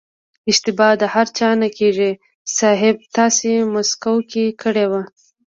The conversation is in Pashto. اشتبا د هر چا نه کېږي صيب تاسې مسکو کې کړې وه.